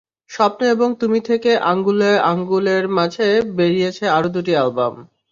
স্বপ্ন এবং তুমি থেকে আঙুলে আঙুল-এর মাঝে বেরিয়েছে আরও দুটি অ্যালবাম।